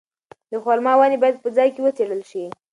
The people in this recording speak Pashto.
د خورما ونې باید په ځای کې وڅېړل شي.